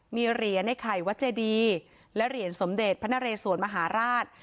มีเหรียญให้ใครว่าจะดีและเหรียญสมเด็จพระนเรศวรมหาราช